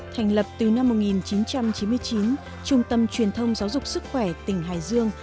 thành lập từ năm một nghìn chín trăm chín mươi chín trung tâm truyền thông giáo dục sức khỏe tỉnh hải dương